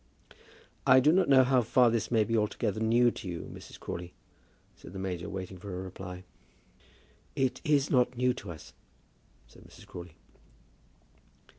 "I do not know how far this may be altogether new to you, Mrs. Crawley," said the major, waiting for a reply. "It is not new to us," said Mrs. Crawley.